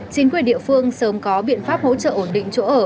chính quyền địa phương sớm có biện pháp hỗ trợ ổn định chỗ ở